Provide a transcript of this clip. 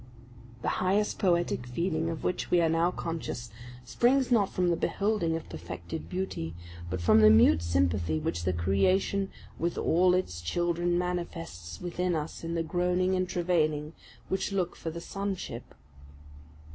The highest poetic feeling of which we are now conscious, springs not from the beholding of perfected beauty, but from the mute sympathy which the creation with all its children manifests with us in the groaning and travailing which look for the sonship.